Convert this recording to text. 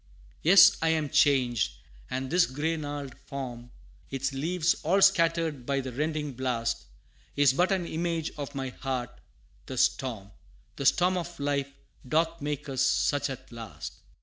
Yes I am changed and this gray gnarled form, Its leaves all scattered by the rending blast, Is but an image of my heart; the storm The storm of life, doth make us such at last!